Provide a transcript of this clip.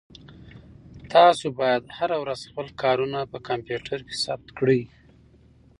تاسو باید هره ورځ خپل کارونه په کمپیوټر کې ثبت کړئ.